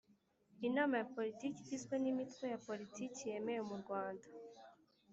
inama ya Politiki igizwe n imitwe ya politiki yemewe mu rwanda